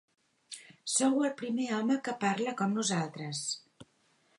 Sou el primer home que parla com nosaltres.